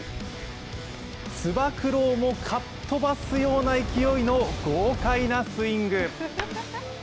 つば九郎もかっ飛ばすような勢いの豪快なスイング！